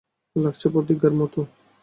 লাগছে প্রতিজ্ঞার মতো।